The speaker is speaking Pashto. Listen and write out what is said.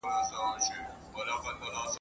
نن مي د عمر په محراب کي بتخانه لګېږې ,